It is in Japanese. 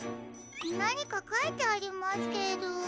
なにかかいてありますけど？